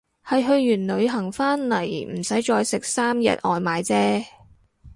係去完旅行返嚟唔使再食三日外賣姐